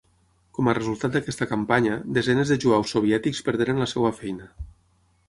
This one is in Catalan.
Com a resultat d'aquesta campanya, desenes de jueus soviètics perderen la seva feina.